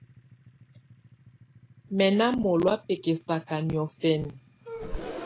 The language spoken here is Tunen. Mɛ̀ nà mɔ̀lɔ̀á bɛkɛsaka niɔ̀fɛna.